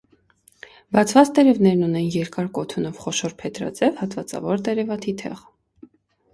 Բացված տերևներն ունեն երկար կոթունով խոշոր փետրաձև հատվածավոր տերևաթիթեղ։